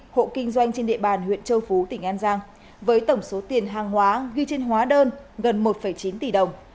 hộ kinh doanh trên địa bàn huyện châu phú tỉnh an giang với tổng số tiền hàng hóa ghi trên hóa đơn gần một chín tỷ đồng